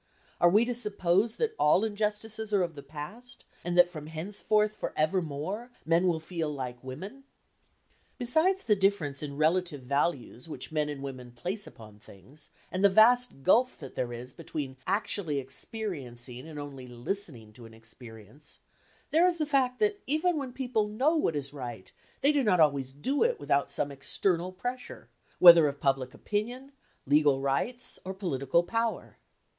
Are we to suppose that all injustices are of the past, and that from henceforth for evermore men will feel like women? Besides the difference in relative values which men and women place upon things, and the vast gulf that there is between actually experiencing and only listening to an experience, there is the fact that even when people know what is right, they do not always do it without some external pressure, whether of public opinion, legal rights or political power.